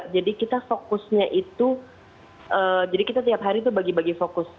jadi kita fokusnya itu jadi kita tiap hari itu bagi bagi fokus